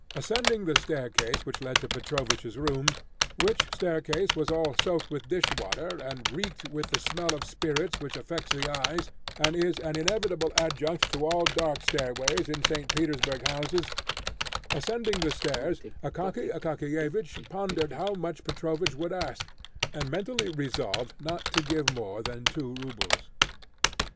Ascending the staircase which led to Petrovich's room which staircase was all soaked with dish water and reeked with the smell of spirits which affects the eyes, and is an inevitable adjunct to all dark stairways in St. Petersburg houses ascending the stairs, Akaky Akakiyevich pondered how much Petrovich would ask, and mentally resolved not to give more than two rubles.